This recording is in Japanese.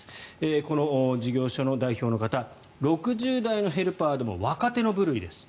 この事業所の代表の方６０代のヘルパーでも若手の部類です。